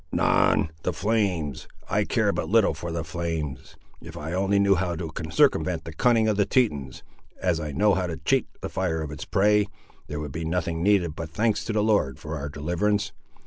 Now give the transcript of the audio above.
"Anan! the flames! I care but little for the flames. If I only knew how to circumvent the cunning of the Tetons, as I know how to cheat the fire of its prey, there would be nothing needed but thanks to the Lord for our deliverance.